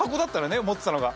持っていたのが。